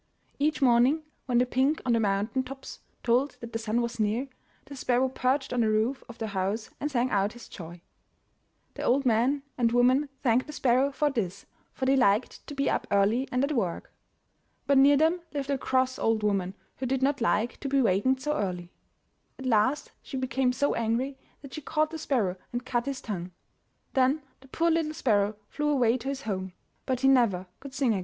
Each morning, when the pink on the mountain tops told that the sun was near, the sparrow perched on the roof of the house and sang out his joy. The old man and woman thanked the sparrow for this, for they liked to be up early and at work. But near them lived a cross old woman who did not like to be wakened so early. At last she became so angry that she caught the sparrow and cut his tongue. Then the poor little sparrow flew away . to his home. But he never could sing again.